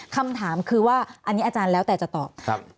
คำถามคือว่าอันนี้อาจารย์แล้วแต่จะตอบ